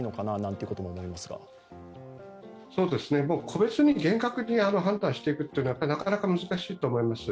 個別に厳格に判断していくというのはなかなか難しいと思います。